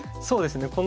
そうですね